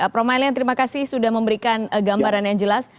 prof mailine terima kasih sudah memberikan gambaran yang jelas